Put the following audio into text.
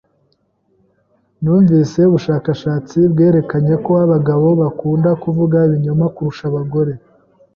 Numvise ubushakashatsi bwerekanye ko abagabo bakunda kuvuga ibinyoma kurusha abagore.